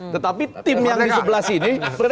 tetapi tim yang di sebelah sini